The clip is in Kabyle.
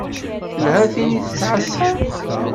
Tella tin i tettɛasam?